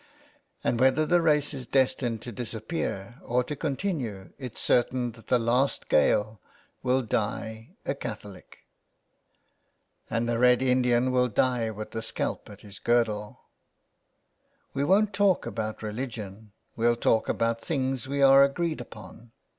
.. And whether the race is destined to disappear or to continue it's certain that the last Gael will die a Catholic." *' And the Red Indian will die with the scalp at his girdle." " We won't talk about religion, we'll talk about 384 THE WILD GOOSE. things we are agreed upon.